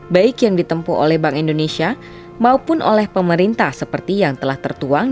baik yang ditempuh oleh bank indonesia maupun oleh pemerintah seperti yang telah tertuang